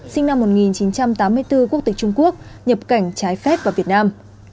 sinh năm một nghìn chín trăm tám mươi bốn quốc tịch trung quốc nhập cảnh trái phép vào việt nam